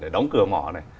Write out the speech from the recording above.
đóng cửa mỏ này